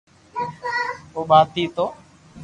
اوي ٻآٽئ تو